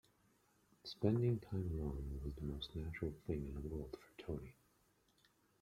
Spending time alone was the most natural thing in the world for Tony.